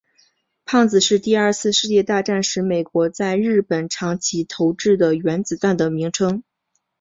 胖子是第二次世界大战时美国在日本长崎投掷的原子弹的名称。